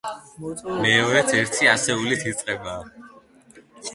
მეორეც ერთი ასეულით იწყება.